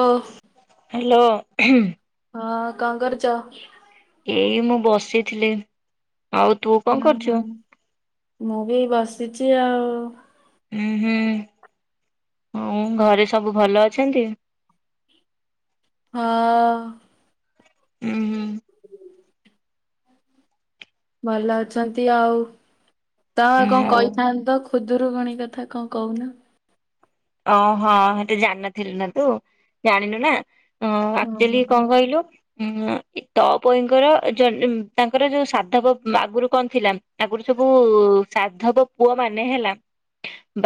ଓ hello ହୁଁ। ହଁ କଣ କରୁଛ? ଏଇ ମୁଁ ବସିଥିଲି ଆଉ ତୁ କଣ କରୁଛୁ? ମୁଁ ବି ବସିଚି ଆଉ। ହୁଁ ହୁଁ ଉ ଘରେ ସବୁ ଭଲ ଅଛନ୍ତି? ହଁ। ହୁଁ ହୁଁ। ଭଲ ଅଛନ୍ତି ଆଉ ତ ଆଉ କଣ କହିଥାନ୍ତ? ଖୁଦୁରୁକୁଣି କଥା କଣ କହୁନ। ଓହଁ ହେଟି ଜାଣିନଥିଲୁ ନା ତୁ ଜାଣିଲୁ ନା? ଅ ହଁ ଆକଚୁଲି ହଁ। କଣ କହିଲୁ? ତପୋଇଙ୍କର ଯ ତାଙ୍କର ଯୋଉ ସାଧବ ଆଗରୁ କଣ ଥିଲା ଆଗରୁ ସବୁ ସାଧବ ପୁଅ ମାନେ ହେଲା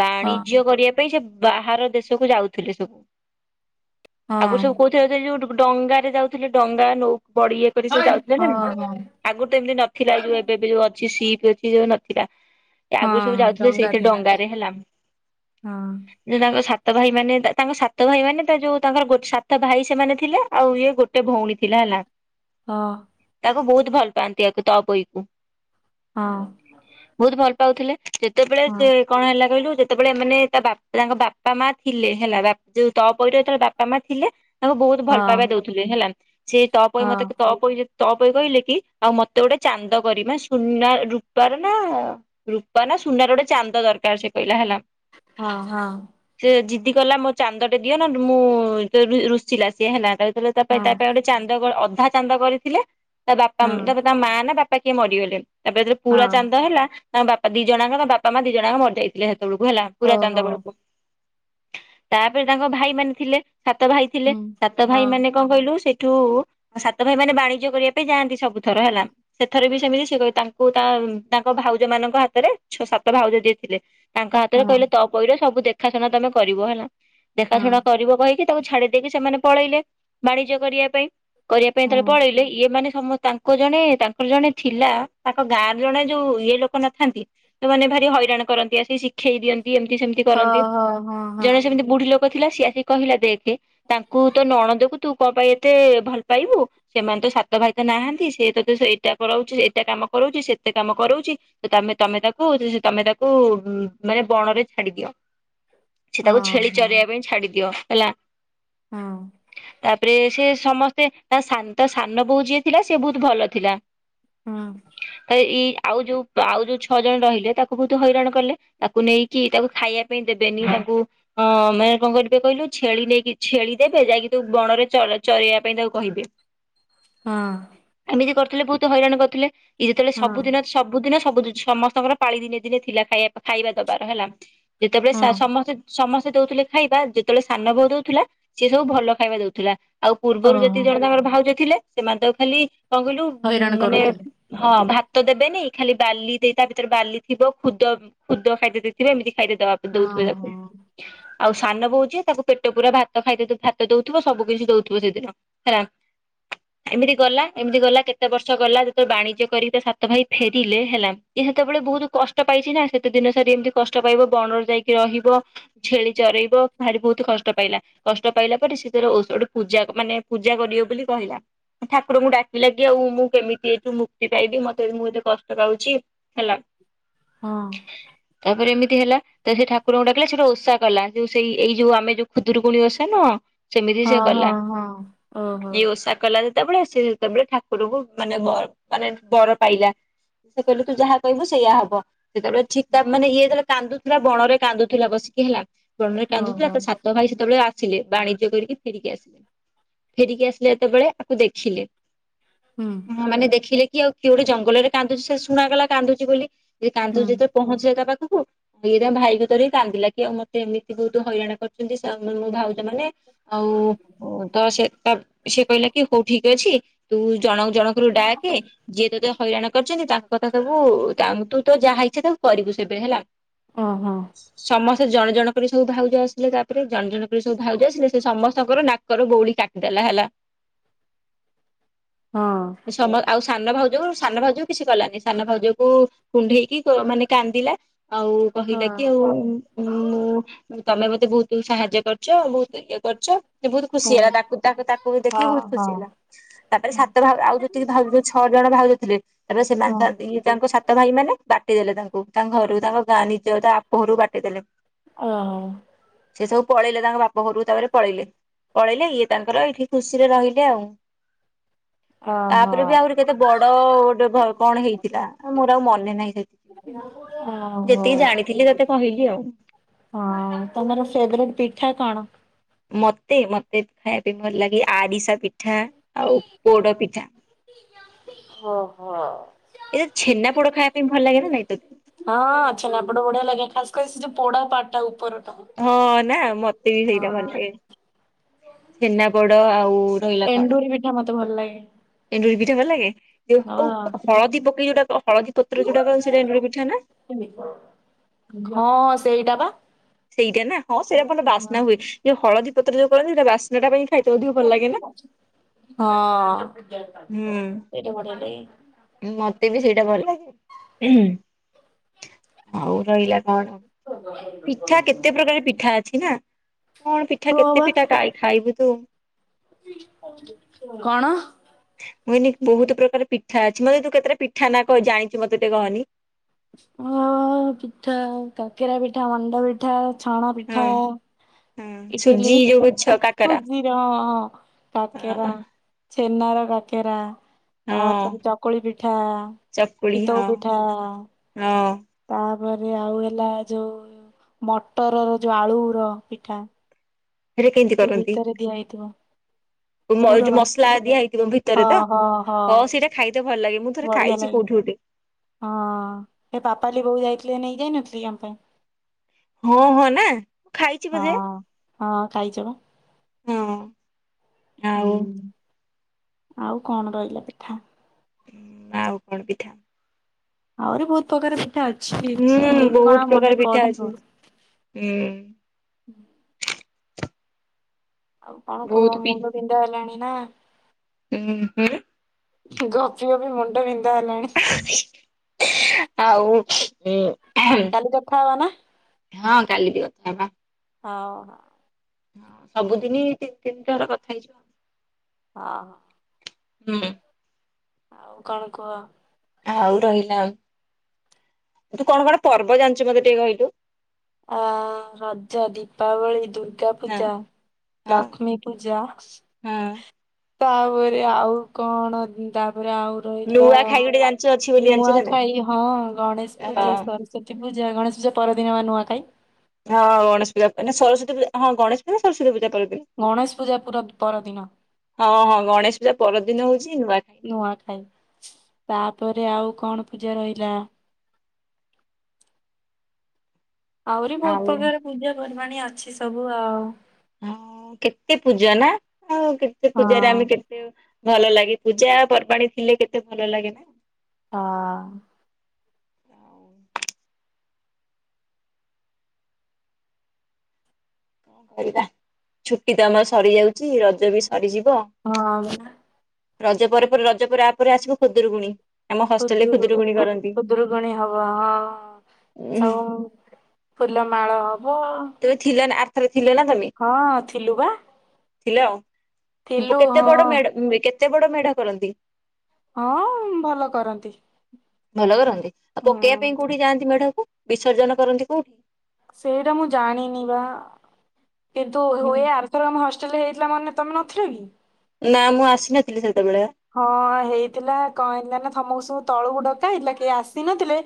ବାଣିଜ୍ୟ କରିବା ପାଇଁ ସେ ବାହାର ଦେଶକୁ ଯାଉଥିଲେ ସବୁ। ଆଗରୁ ହଁ ସବୁ କଉଥିରେ ଯା ଯୋଉ ଡ଼ଙ୍ଗାରେ ଯାଉଥିଲେ ଡ଼ଙ୍ଗା ନଉ ପଡ଼ିଏ କରି ସ ଯାଉଥିଲେ ନା ହଁ ହଁ ଆଗରୁ ତ ଏମିତି ନଥିଲା ଏଇ ଯୋଉ ଏବେ ବେ ଯୋଉ ଅଛି ସିପ୍ ଅ ସେ ଯୋଉ ନଥିଲା ଆଗରୁ ସବୁ ହଁ ଯାଉଥିଲେ ଡଙ୍ଗା ସେଇତ ଥିଲା ଡଙ୍ଗାରେ ହେଲା। ହଁ। ଯୋଉ ତାଙ୍କ ସାତ ଭାଇ ମାନେ ତା ତାଙ୍କ ସାତ ଭାଇ ମାନେ ଯୋଉ ତାଙ୍କର ଗୋ ସାତ ଭାଇ ସେମାନେ ଥିଲେ ଆଉ ଇଏ ଗୋ ଟେ ଭଉଣୀ ଥିଲା ହେଲା। ହଁ। ତାକୁ ବହୁତୁ ଭଲପାଆନ୍ତି ଆକୁ ତଅପୋଇକୁ। ହଁ। ବହୁତ ଭଲ ପାଉଥିଲେ ଯେତେବେଳେ ସେ ହଁ କଣ ହେଲା କହିଲୁ ଯେତେବେଳେ ଏମାନେ ତା ବା ତାଙ୍କ ବାପା ମା ଥିଲେ ହେଲା ବା ଯୋଉ ତପୋଇର ଯେତେ ବାପା ମା ଥିଲେ ତାଙ୍କୁ ବହୁତ ଭଲ ପାଇବା ହଁ ଦଉ ଇଏ ହେଲା ସେ ତପୋଇ ହଁ ମତେ ତପୋଇ ଯେତେ ତଅପୋଇ କହିଲେ କି ଆଉ ମତେ ଗୋଟେ ଚାନ୍ଦ କରିମା ସୁନା ରୂପାର ନା ରୂପା ନା ସୁନାର ଗୋଟେ ଚାନ୍ଦ ଦରକାର ସେ କହିଲା ହେଲା। ହଁ ହଁ। ସେ ଜିଦି କଲା ମୋ ଚାନ୍ଦଟେ ଦିଅ ନହେନେ ମୁଁ ତା ରୁଷିଲା ସିଏ ହେଲା ତାପରେ ତା ପାଇଁ ହଁ ତା ପାଇଁ ଗୋ ଚାନ୍ଦ ଅଧା ଚାନ୍ଦ କରିଥିଲେ ତା ବାପା ହଁ ତା ମା ନା ବାପା କିଏ ମରିଗଲେ। ତାପରେ ଯେତେବେଳେ ପୁରା ହଁ ଚାନ୍ଦ ହେଲା ତାଙ୍କ ବାପା ଦି ଜଣଙ୍କ ତାଙ୍କ ବାପା ମା ଦି ଜଣଯାକ ମରିଯାଇଥିଲେ ସେତେବେଳକୁ ହେଲା। ପୁରା ଚାନ୍ଦ ଓହୋ। ବେଳକୁ ତାପରେ ତାଙ୍କ ଭାଇ ମାନେ ଥିଲେ ସାତ ଭାଇ ଥିଲେ ହୁଁ ସାତ ହଁ ଭାଇ ମାନେ କଣ କହିଲୁ ସେଇଠୁ ସାତ ଭାଇ ମାନେ ବାଣିଜ୍ୟ କରିବା ପାଇଁ ଯାଆନ୍ତି ସବୁ ଥର ହେଲା। ସେଥର ବି ସେମିତି ସେ କ ତାଙ୍କୁ ତା ତାଙ୍କ ଭାଉଜ ମାନଙ୍କ ହାତରେ ଛ ସାତ ଭାଉଜ ଯିଏ ଥିଲେ ତାଙ୍କ ହାତରେ ହଁ କହିଲେ ତପୋଇର ସବୁ ଦେଖାଶୁଣା ତମେ କରିବ ହେଲା ହଁ ଦେଖାଶୁଣା କରିବ କହିକି ତାକୁ ଛାଡି ଦେଇକି ସେମାନେ ପଳେଇଲେ ବାଣିଜ୍ୟ କରିବା ପାଇଁ କରିବା ପାଇଁ ହଁ ଯେତେବେଳେ ପଳେଇଲେ ଇଏ ମାନେ ସମ ତା ଲୋକ ଜଣେ ତାଙ୍କର ଜଣେ ଥିଲା ତାଙ୍କ ଗାଁର ଜଣେ ଯୋଉ ଇଏ ଲୋକ ନଥାନ୍ତି ଯୋଉ ମାନେ ଭାରି ହଇରାଣ କରନ୍ତି ଆସିକି ଶିଖେଇ ଦିଅନ୍ତି ଏମିତି ସେମିତି କରନ୍ତି ହଁ ହଁ ହଁ। ଜଣେ ସେମିତି ବୁଢୀ ଲୋକ ଥିଲା ସିଏ ଆସି କହିଲା ଦେଖେ ତାଙ୍କୁ ତୋ ନଣନ୍ଦକୁ ତୁ କଣ ପାଇଁ ଏତେ ଭଲ ପାଇବୁ ସେମାନେ ତ ସାତ ଭାଇ ତ ନାହାନ୍ତି ସେ ତତେ ସେଇଟା କରାଉଛି ଏଇଟା କାମ କରଉଛି ସେତେ କାମ କରଉଛି ତ ତମେ ତମେ ତାକୁ ତମେ ତାକୁ ମାନେ ବଣ ରେ ଛାଡି ଦିଅ ସେ ହଁ ତାକୁ ଛେଳି ହଁ ଚରେଇବା ପାଇଁ ଛାଡି ଦିଅ ହେଲା। ହଁ। ତାପରେ ସେ ସମସ୍ତେ ତା ସାନ ତା ସାନବୋଉ ଯିଏ ଥିଲା ସେ ବହୁତ ଭଲ ଥିଲା। ହୁଁ। ତ ଏଇ ଆଉ ଯୋଉ ଆଉ ଯୋଉ ଛଅ ଜଣ ରହିଲେ ତାକୁ ବହୁତ ହଇରାଣ କଲେ ତାକୁ କୁ ନେଇକି ତାକୁ ଖାଇବା ପାଇଁ ଦେବେନି ତାକୁ ହଁ ମାନେ କଣ କରିବେ କହିଲୁ ଛେଳି ନେଇକି ଛେଳି ଦେବେ ଯାଇକି ତୁ ବଣରେ ଚରା ଚରେଇବା ପାଇଁ ତାକୁ କହିବେ। ହଁ। ଏମିତି କରିୁଥିଲେ ବହୁତ ହଇରାଣ କରିୁଥିଲେ ଇଏ ଯେତେବେଳେ ହଁ ସବୁଦିନ ସବୁଦିନ ସବୁ [unintelligible] ସମସ୍ତଙ୍କର ପାଳି ଦିନେ ଦିନେ ଥିଲା ଖାଇବା ଖାଇବା ଦବାର ହେଲା। ଯେତେବେଳେ ହଁ ସା ସମସ୍ତେ ସମସ୍ତେ ଦଉଥିଲେ ଖାଇବା ଯେତେବେଳେ ସାନ ବୋଉ ଦଉଥିଲା ସେ ସବୁ ଭଲ ଖାଇବା ଦଉଥିଲା। ଆଉ ପୂର୍ବରୁ ଓହୋ ଯେତିକି ଜଣ ତାଙ୍କର ଭାଉଜ ଥିଲେ ସେମାନେ ତାକୁ ଖାଲି କଣ କହିଲୁ ଉଁ ହଇରାଣ ମାନେ କରୁଥିଲେ। ହଁ ଭାତ ଦେବେନି ଖାଲି ବାଲି ଦେଇ ତା ଭିତରେ ବାଲି ଥିବ ଖୁଦ ଖୁଦ ଖାଇତେ ଦେଇଥିବେ ଏମିତି ଖାଇତେ ଦ ହଁ ଦେଉଥିବେ ତାକୁ। ଆଉ ସାନ ବୋଉ ଯିଏ ତାକୁ ପେଟ ପୁରା ଭାତ ଖାଇତେ ଭାତ ଦଉଥିବ ସବୁ କିିଛି ଦଉଥିବ ସେଦିନ। ରା ଏମିତି ଗଲା ଏମିତି ଗଲା କେତେ ବର୍ଷ ଗଲା ଯେତେ ବାଣିଜ୍ୟ କରିକି ତ ସାତ ଭାଇ ଫେରିଲେ ହେଲା। ଏ ସେତେବେଳେ ବହୁତ କଷ୍ଟ ପାଇଛି ନା ସେତେ ଦିନ ସାର ଏମିତି କଷ୍ଟ ପାଇବ ବଣରେ ଯାଇକି ରହିବ। ଝେଳି ଚରେଇବ ଭାରି ବହୁତ କଷ୍ଟ ପାଇଲା। କଷ୍ଟ ପାଇଲା ପରେ ସେ ତାର ଓସ ଗୋଟେ ପୂଜା ମାନେ ପୂଜା କରିବ ବୋଲି କହିଲା। ଠାକୁରଙ୍କୁ ଡାକିଲାଗି ଆଉ ମୁଁ କେମିତି ଏଠୁ ମୁକ୍ତି ପାଇବି ମତେ ମୁଁ ଏତେ କଷ୍ଟ ପାଉଛି। ହେଲା। ହଁ। ତାପରେ ଏମିତି ହେଲା। ତ ସେ ଠାକୁରଙ୍କୁ ଡାକିଲେ ସେଇଟୁ ଓଷା କଲା ଯୋଉ ସେଇ ଏଇ ଯୋଉ ଆମେ ଯୋଉ ଖୁଦରୁକୁଣି ଓଷା ନୁହଁ ସେମିତି ହଁ ସେ କଲା ହଁ ହଁ ହଁ ଓହୋ ଏଇ ଓଷା କଲା ସେତେବେଳେ ସେ ସେତେବେଳେ ଠାକୁରଙ୍କୁ ମାନେ ବ ମାନେ ବର ପାଇଲା। ସେ କହିଲେ ତୁ ଯାହା କହିବୁ ସେୟା ହବ ଯେତେବେଳେ ଠିକ ତା ମାନେ ଇଏ ଯେତେବେଳେ କାନ୍ଦୁଥିଲା ବଣରେ କାନ୍ଦୁଥିଲା ବସିକି ହେଲା। ବଣରେ କାନ୍ଦୁଥିଲା। ଓହୋ ତା ସାତ ଭାଇ ସେତେବେଳେ ଆ ଥିଲେ ବାଣିଜ୍ୟ କରିକି ଫେରିକି ଆସିଲେ ଫେରିକି ଆସିଲେ ଯେତେବେଳେ ଆକୁ ଦେଖିଲେ। ହୁଁ। ହଁ ମାନେ ଦେଖିଲେ କି ଆଉ କିଏ ଗୋଟେ ଜଙ୍ଗଲରେ କାନ୍ଦୁଛି ସେ ଶୁଣାଗଲା କାନ୍ଦୁଛି ବୋଲି ହୁଁ କାନ୍ଦୁଛି ତ [unintelligible] ତା ପାଖକୁ ଇରେ ଭାଇକୁ ଧରି କାନ୍ଦିଲା କି ଆଉ ମତେ ଏମିତି ବହୁତ ହଇରାଣ କରୁଛନ୍ତି ମୋ ଭାଉଜ ମାନେ। ଆଉ ତ ସେ ତ ସେ କହିଲା କି ହଉ ଠିକ ଅଛି। ତୁ ଜଣ ଜଣକୁରୁ ଡାକେ ଯିଏ ତୋତେ ହଇରାଣ କରିଛନ୍ତି ତାଙ୍କ କଥା ସବୁ ତୁ ତ ଯାହା ହେଇଛ ତାକୁ କରିବୁ ସେବେ ହେଲା ଓହୋ ସମସ୍ତେ ଜଣେ ଜଣ କରି ସବୁ ଭାଉଜ ଆସିଲେ ତାପରେ ଜଣେ ଜଣ କରି ସବୁ ଭାଉଜ ଆସିଲ ସେ ସମସ୍ତଙ୍କର ନା କରର ବଉଳି କାଟିଦେଲା ହେଲା [inaudible] ସମ ଆଉ ସାନ ଭାଉଜ ସାନ ଭାଉ କିଛି କଲାନି ସାନ ଭାଉଜକୁ କୁଣ୍ଡେଇକି ମାନେ କାନ୍ଦିଲା ଆଉ ହଁ କହିଲା କି ଆଉ ହୁଁ ମୁଁ ତମେ ମତେ ବହୁତ ସାହାଯ୍ୟ କରିଛ ବହୁତ ଇଏ କରିଛ ସେ ବହୁତ ଖୁସି ହଁ ହେଲା ତାକୁ ତାକୁ ତାକୁ ବି ଦେଖିବୁ ହଁ ବହୁତ ହଁ ଖୁସି ହେଲା ତାପରେ ସାତ ଭାବ ଆଉ ଯୋଉ ଟିକେ ଭାବଉ ଛଅ ଜଣ ଭାବୁଥିଲେ ତ ହଁ ସେମାନେ ତାଙ୍କ ସାତ ଭାଇ ମାନେ ବାଟି ଦେେଲେ ତାଙ୍କୁ ତାଙ୍କ ଘରୁ ତାଙ୍କ ଗାଁ ନିଜ ତା ବାପ ଘରୁ ବାଟେଇଦେଲେ ଓହ ସେ ସବୁ ପଳେଇଲେ ତାଙ୍କ ବାପା ଘରକୁ ତାପରେ ପଳେଇଲେ ପଳେଇିଲଲେ ଇଏ ତାଙ୍କର ଏଇଠି ଖୁସିରେ ରହିଲେ ଆଉ ହ [inaudible] ତାପରେ ବି ଆହୁରି କେତେ ବଡ ଗୋଟେ ଭ କଣ ହେଇଥିଲା ମୋର ଆଉ ମନେ ନାହିଁ ସେ [inaudible] ଓହୋ ଯେତିକି ଜାଣିଥିଲି ତତେ କହିଲି ଆଉ ହଁ ତମର ଫେବରେଟ ପିଠା କଣ ମତେ ମତେ ଖାଇବା ପାଇଁ ଭଲ ଲାଗେ ଆରିଶା ପିଠା ପିଠା ଆଉ ପୋଡ ପିଠା ଓହୋ ଏଇ ଛେନା ପୋଡ ଖାୟା ପାଇଁ ଭଲ ଲାଗେ ନା ନାଇଁ ତୋ ହଁ ଅଛ ଆପଟ ବଢିଆ ଲାଗେ ଖାସ କରି ସେ ଯୋଉ ପୋଡା ପାଟା ଉପର ଟ ହଁ ନା ମତେ ବି ସେଇଟା ଭଲ ଲାଗେ ଛେନା ବଡ ଆଉ ରହିଲା କଣ ଏଣ୍ଡୁରି ପିଠା ମତେ ଭଲ ଲାଗେ ଏଣ୍ଡୁରି ପିଠା ଭଲ ଲାଗେ ଯୋଉ ହଳଦୀ ପକେଇ ଯୋଉଟା ହଳଦୀ ପତ୍ର ଯୋଉଟା କରନ୍ତି ସେଟା ଏଣ୍ଡୁରି ପିଠା ନା ଘଁ ସେଇଟା ବା ସେଇଟା ନା ହଁ ସେଇଟା ଭର ବାସ୍ନା ହୁଏ ଯୋଉ ହଳଦୀତ ଯଉ କନ୍ତି ସେଇଟ ବାସ୍ନାଟା ପାଇଁ ଖାଇଥା ଅଧିକ ଭଲ ଲାଗେ ନା ହଁ ସେଟା ବଢିଆ ଲାଗେ ମତେ ବି ସେଇଟା ଭଲ ଲାଗେ ଆଉ ରହିଲା କଣ ପିଠା କେତେ ପ୍ରକାର ପିଠା ଅଛି ନା କଣ ପିଠା ହଁ କେତେ ବା। ପିଠା ଖ ଖାଇବୁ ତୁ କଣ ହୁନି ବହୁତ ପ୍ରକାର ପିଠା ଅଛି ମତେ ତୁ କେତେଟା ପିଠା ନା କହ ଜାଣିଛୁ ମତେ ଟିକେ କହନି ଓ ପିଠା କକେରା ପିଠା ମଣ୍ଡ ପିଠା ଛଣା ହଁ ପିଠା ହଁ ଇଟିଲ ସୁଜି ଯୋଉ ଛ କାକରା କଜିିର କାକରା ହଁ ଛେନାର କାକେରା ହଁ ତାପରେ ଚକୁଳି ପିଠା ଚିତଉ ପିଠା ଅଁ ତାପରେ ଆଉ ହେଲା ଯୋଉ ମଟର ର ଯୋଉ ଆଳୁ ର ପିଠା ସେଟା କେମିତି ଯୋଉ କରନ୍ତି ଭିତରେ ଦିଆ ହେଇଥିବ ପୁର ଯୋଉ ବା ମସଲା ଦିଆ ହେଇଥିବ ଭିତରେ ହଁ ତ ହଁ ହଁ ସେଇଟା ଖାଇତେ ଭଲ ଲାଗେ ମୁଁ ଥରେ ବଢିଆ ଖାଇଛି ଲାଗେ। କୋଉଠି ଉଠି ହଁ ସେ ପାପାଲି ବୋଉ ଯାଇଥିଲେ ନେଇ ଯାଇନଥିଲେ କି ଆମ ପାଇଁ ହଁ ହଁ ନା ମୁଁ ଖାଇଛି ବୋଧେ ହଁ। ହଁ କାଇଚ ପା ହଁ ହୁଁ ଆଉ ଆଉ କଣ ରହିଲା ପିଠା ଆଉ କଣ ପିଠା ଆହୁରି ବହୁତ ପ୍ରକାର ପିଠା ଅଛି ହୁଁ ଏବେ କଣ ବହୁତ ଆଉ ପ୍ରକାର ମନେ ପିଠା ଅଛି ପଢିବ ହୁଁ ଆଉ କଣ କହ ବହୁତ ମୁଣ୍ଡ ବିନ୍ଧା ହେଲାଣି ନା ହୁଁ ହୁଁ ଗୋପି ଗ ବିି ମୁଣ୍ଡ ବିନ୍ଧା ହେଲାଣି [inaudible] ଆଉ କାଲି କଥା ହବା ନା। ହଁ କାଲି ବି କଥା ହେବା ହଉ ହ ହଁ ସବୁଦିନି ତିନି ତିନିଥର କଥା ହେଇଯିବ ଆଉ ହଁ ହୁଁ ଆଉ କଣ କୁହ ଆଉ ରହିଲା ତୁ କଣ କଣ ପର୍ବ ଜାଣିଛୁ ମତେ ଟିକେ କହିଲୁ ଅ ରଜ ଦୀପାବଳି ଦୁଇ ଦୁର୍ଗା ହଁ ପୂଜା ହଁ ଲକ୍ଷ୍ମୀ ପୂଜା ହଁ ତାପରେ ଆଉ କଣ ତାପରେ ଆଉ ରହିଲା ନୂଆ ଖାଇ ଗୋଟେ ଜାଣିଛୁ ଅଛି ବୋଲି ଜାଣିଛୁ ନା ନାଇଁ? ନୂଆଖାଇ ହଁ ଗଣେଶ ହଁ ପୂଜା ସରି ସେତଥି ପୂଜା ଗଣେଶ ପୂଜା ପରଦିନ ବା ନୂଆଁ ଖାଇଁ ହଁ ଗଣେଶ ପୂଜା ମ ସରସ୍ୱତ ପୂଜା ହଁ ଗଣେଶ ପଜା ସସ୍ତ ପୂଜା କରିଥିଲଥିଲେ ଗଣେଶ ପୂଜା ପୁରା ପରଦିନ ହଁ ହଁ ଗଣେଶ ପୂଜା ପରଦିନ ହଉଛି ନୂଆଖାଇ ନୂଆଖାଇ ତାପରେ ଆଉ କଣ ପୂଜା ରହିଲା ଆହୁରି ବହୁତ ଆଉ ପ୍ରକାର ପୂଜା ପର୍ବାଣିୀ ଅଛି ସବୁ ଆଉ ହଁ କେତେ ପୂଜା ନା ଆଉ କେତେ ପୂଜାରେ ହଁ ଆମେ କେ ଭଲ ଲାଗେ ପୂଜା ପର୍ବାଣୀ ଥିଲେ କେତେ ଭଲ ଲାଗେ ନା ହଁ ଆଉ କଣ ଛୁଟି ତ ଆମର ସରିଯାଉଛି ରଜ ବି ସରିଯିବ ହଁ ରଜ ପରେ ପରେ ରଜ ପରେ ତା ପରେ ଆସିବ ଖୁଦୁରୁକଣୀ ଖୁଦରୁଗୁଣ ଖୁଦରୁ ଗୁଣୀ ହବା ହଁ ଉଁ ସୁ ଫୁଲମାଳ ହବ ତେ ଥିଲ ନା ଆର୍ଥ ଥିଲ ନା ତମେ ହଁ ଥିଲୁ ବା ଥିଲା ଆଉ ଥିଲୁ କେତେ ହଁ। ବଡ ମଢ କେତେ ବଡ ମେଢା କରନ୍ତି ହଁ ଭଲ କରନ୍ତି ଭଲ କରନ୍ତି ଆଉ ହୁଁ ପକେଇବା ପାଇଁ କୋଉଠି ଯାଆନ୍ତି ମେଢାକୁ ବିସର୍ଜନ କରନ୍ତି କୋଉଠି ସେଇଟା ମୁଁ ଜାଣିନି ବା କିନ୍ତୁ ହୁଏ ଆର ରେମ ହଷ୍ଟେଲରେ ହେଇଥିଲା ମନେ ତମେ ନଥିଲ କି ନା ମୁଁ ଆସିନଥିଲି ସେତେବେଳେ ହଁ ହେଇଥିଲା କଣ ହେଇଥିଲା ନା ତମକୁ ସବୁ ତଳକୁ ଡକା ହେଇଲା କେ ଆସିନଥିଲେ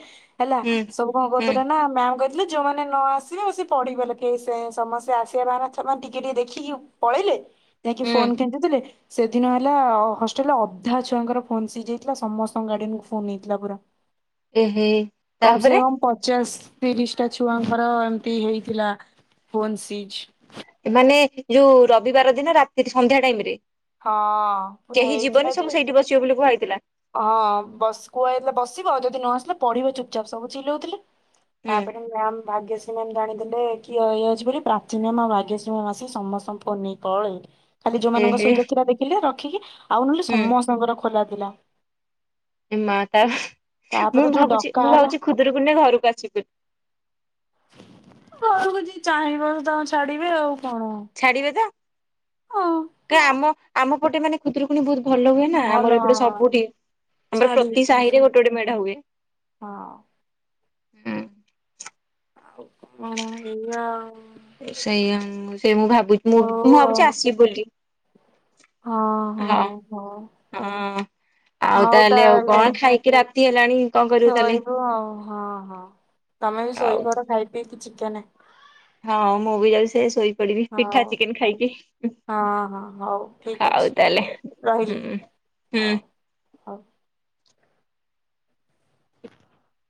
ହେଲା ହୁଁ ସବୁ କଣ ହୁଁ କରୁଥିଲେ ନା ମ୍ୟାମ କ ଯୋଉମାନେ ନ ଆସିବେ ସେ ପଢିଗଲେ କେ ସେ ସମସ୍ତେ ଆସିବା ବା ସେମାନେ ଟିକେ ଟିକେ ଦେଖିକି ପଳେଇଲେ ଯାଇକି ହୁଁ ଫୋନ କିଣିୁ ଦେଲେ ସେଦିନ ହେଲା ଅଧା ଛୁଆଙ୍କର ଫୋନ ସିଜ୍ ହୋଇଥିଲା ସମସ୍ତଙ୍କ ଗାଡିଆନୁ ଫୋନ ହେଇଥିଲା ପୁରା ଏହେ କମ ସେ ତାପରେ କମ ପଚାଶ ତିରିଶଟା ଛୁଆଙ୍କର ଏମିତି ହେଇଥିଲା ଫୋନ୍ ସିଜ ମାନେ ଯୋଉ ରବିବାର ଦିନ ରାତି ସନ୍ଧ୍ୟା ଟାଇମ ରେ ହଁ ପୁରା କେହି ହେଇଥିଲା ଯିବନି ସବୁ ଯେ ସେଇଠି ବସିବ ବୋଲି କୁହା ହେଇଥିଲା ହଁ ବସ କୁହାଯଇଥିଲା ବସିବ ଆଉ ଯଦି ନ ଆସିଲେ ପଢିବ ଚୁପଚାପ୍ ସବୁ ଚିଲଉଥିଲେ ହୁଁ ତାପରେ ମ୍ୟା ଭାଗ୍ୟଶ୍ରୀ ମ୍ୟାାମ ଜାଣିଦେଲେ ଏ ଇଯଛି ବୋଲି ପ୍ରାଚୀନ ମା ଭାଗ୍ୟ ମାସ ସମସ୍ତଙ୍କୁ ନେଇ ପଳେଇ ଖାଲି ଯୋଉମାନଙ୍କ ଏହେ ସ୍ୱିଚ୍ ଅଫ୍ ଦେଖିଲେ ରଖିକି ଆଉ ନହେଲେ ହୁଁ ସମସ୍ତଙ୍କର ଖୋଲା ଥିଲା ଏ ମା ତ ମୁଁ ତାପରେ ଯୋଉ ଭାବୁଛି ଡକା ମୁଁ ହେଲା ଭାବୁଛି ଖୁଦରୁକୁଣୀ ନେଇ ଘରକୁ ଆସି ଘରକୁ ଯ ଚାହିଁବ ତାଙ୍କୁ ଛାଡିବେ ଆଉ କଣ ଛାଡିବେ ହଁ ତ ଆମ ଆମ ପଟେ ମାନେ ଖୁଦ୍ରକୁଣି ବହୁତ ଭଲ ହୁଏ ନା ଭଲ ଆମର ଏପଟେ ହଁ ସବୁଠି ଆମର ଛାଡିବେ ପ୍ରତି ସାହି ଛାଡିବେ ରେ ଗୋଟେ ଗୋଟେ ମେଢା ହୁଏ ହଁ ହୁଁ କଣ ହେଲ ଆଉ ସେଇ ସେ ମୁଁ ଭାବୁଛି ମୁଁ ମୁଁ ଭାବୁଛି ଆସିବି ବୋଲି ହଁ ହଁ ହଁ ହଁ ଆଉ ହଉ ତାହେଲେ ଆଉ କଣ ଖାଇକି ରାତି ହେଲାଣି କଣ କରିବୁ ତାହେଲେ ତାହଲେଶୋଇିବୁ ଆଉ ହଁ ହଁ ତମେ ବି ଆଉ। ଶୋଇପଡ ଖାଇ ପିକି ଚିକେନ୍ ହଁ ମୁଁ ବି ଯା ସେ ଶୋଇି ପିଠା ହଉ ଚିକେନ ଠିକ୍- ଖାଇକି ହଁ ହଁ ହଉ ଠିକ ହଉ ତାହେଲେ ଅଛି ରହିଲି ହୁଁ ହୁଁ। ହଉ ହଉ [unintelligible]